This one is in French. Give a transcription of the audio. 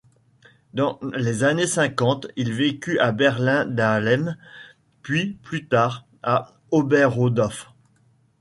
Dans les années cinquante, il vécut à Berlin-Dahlem, puis plus tard à Oberaudorf.